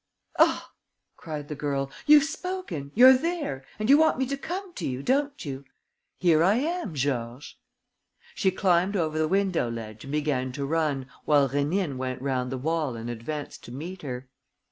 "Ah!" cried the girl. "You've spoken. You're there, and you want me to come to you, don't you? Here I am, Georges!..." She climbed over the window ledge and began to run, while Rénine went round the wall and advanced to meet her.